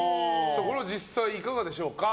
実際いかがでしょうか。